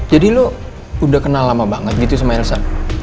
jadi lo udah kenal lama banget gitu sama elsa